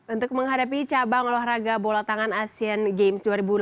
untuk menghadapi cabang olahraga bola tangan asean games dua ribu delapan belas